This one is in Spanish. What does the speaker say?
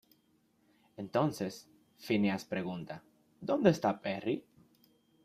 Entonces, Phineas pregunta "¿Dónde está Perry?